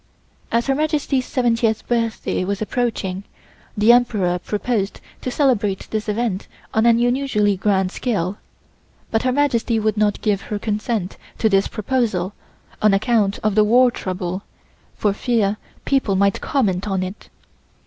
As Her Majesty's seventieth birthday was approaching the Emperor proposed to celebrate this event on an unusually grand scale, but Her Majesty would not give her consent to this proposal on account of the war trouble, for fear people might comment on it.